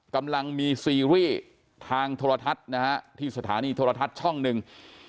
กำลังมีซีรีส์ทางโทรทัศน์นะฮะที่สถานีโทรทัศน์ช่องหนึ่ง